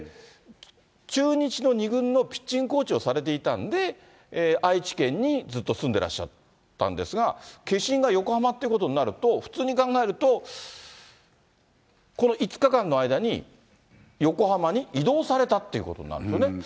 中日の２軍のピッチングコーチをされていたんで、愛知県にずっと住んでらっしゃったんですが、消印が横浜っていうことになると、普通に考えると、この５日間の間に、横浜に移動されたっていうことになるんですよね。